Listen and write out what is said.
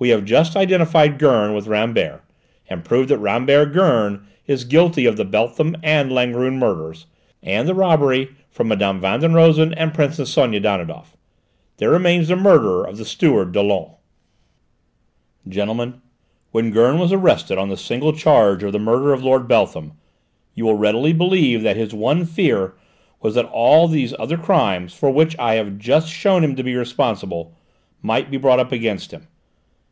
"We have just identified Gurn with Rambert and proved that Rambert Gurn is guilty of the Beltham and Langrune murders, and the robbery from Mme. Van den Rosen and Princess Sonia Danidoff. There remains the murder of the steward, Dollon. "Gentlemen, when Gurn was arrested on the single charge of the murder of Lord Beltham, you will readily believe that his one fear was that all these other crimes, for which I have just shown him to be responsible, might be brought up against him.